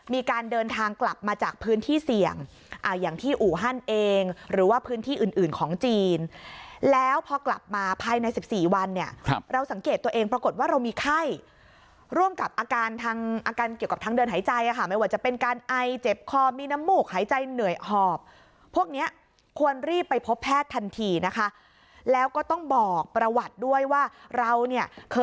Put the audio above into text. มีการเดินทางกลับมาจากพื้นที่เสี่ยงอย่างที่อู่ฮั่นเองหรือว่าพื้นที่อื่นอื่นของจีนแล้วพอกลับมาภายใน๑๔วันเนี่ยเราสังเกตตัวเองปรากฏว่าเรามีไข้ร่วมกับอาการทางอาการเกี่ยวกับทางเดินหายใจไม่ว่าจะเป็นการไอเจ็บคอมีน้ำมูกหายใจเหนื่อยหอบพวกเนี้ยควรรีบไปพบแพทย์ทันทีนะคะแล้วก็ต้องบอกประวัติด้วยว่าเราเนี่ยเคย